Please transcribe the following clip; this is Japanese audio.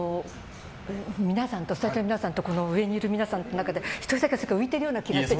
スタジオの皆さんと上にいる皆さんの中で１人だけ浮いているような気がして。